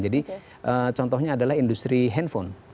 jadi contohnya adalah industri handphone